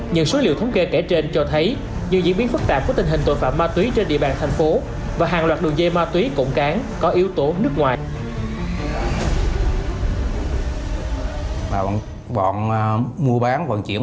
những số liệu thống kê kể trên cho thấy nhiều diễn biến phức tạp của tình hình tội phạm ma túy trên địa bàn thành phố và hàng loạt đường dây ma túy cộng cán có yếu tố nước ngoài